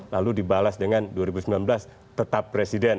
lalu dibalas dengan dua ribu sembilan belas tetap presiden